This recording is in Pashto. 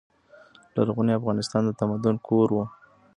لرغونی افغانستان د تمدن کور و.